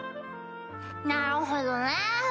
なるほどね。